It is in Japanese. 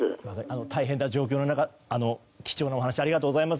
大変な状況の中貴重なお話ありがとうございます。